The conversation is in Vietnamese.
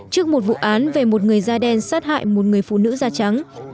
trước một vụ án về một người da đen sát hại một người phụ nữ da trắng